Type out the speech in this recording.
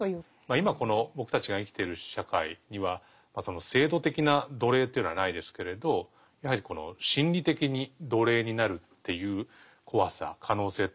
今この僕たちが生きてる社会にはその制度的な奴隷というのはないですけれどやはり心理的に奴隷になるっていう怖さ可能性っていうのは常にある。